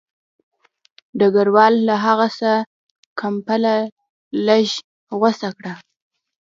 ډګروال له هغه څخه کمپله لږ ګوښه کړه